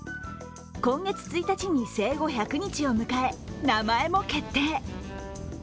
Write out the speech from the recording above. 今月１日に生後１００日を迎え名前も決定。